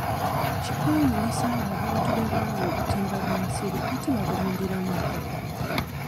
Kikwewuunyisa ng'abantu be baawa obutimba bw'ensiri ate babulundiramu nkoko.